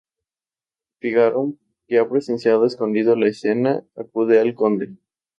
Fígaro, que ha presenciado escondido la escena, acude al Conde.